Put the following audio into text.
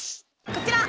こちら！